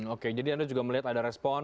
oke jadi anda juga melihat ada respon